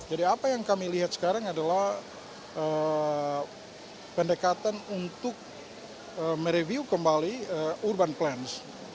apa yang kami lihat sekarang adalah pendekatan untuk mereview kembali urban plans